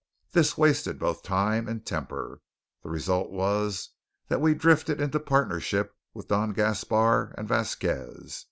This wasted both time and temper. The result was that we drifted into partnership with Don Gaspar and Vasquez.